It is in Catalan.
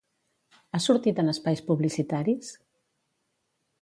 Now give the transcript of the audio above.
Ha sortit en espais publicitaris?